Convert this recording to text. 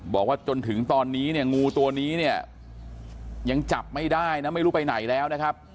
บอกว่าจนถึงตอนนี้เนี่ยงูตัวนี้เนี่ยยังจับไม่ได้นะไม่รู้ไปไหนแล้วนะครับ